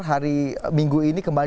hari minggu ini kembali